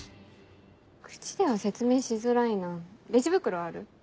口では説明しづらいなレジ袋ある？